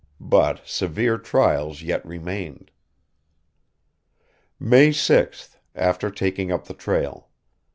But severe trials yet remained. "May 6th [after taking up the trail]....